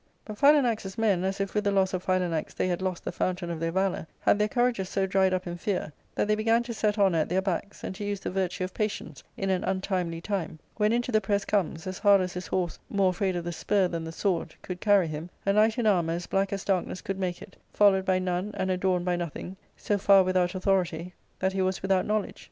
But Philanax's men, as if with the loss of Philanax they had lost the fountain of their valour, had their courages so dried up in fear that they began to set honour at their backs and to use the virtue of patience in an untimely time, when into the press comes, as hard as his horse — more afraid of the spur than the sword — could carry him, a knight in armour as black as darkness could make it, followed by none and adorned by nothing, so far without authority that he was a T 274 " ARCADIA.^ Book IlL ^without knowledge.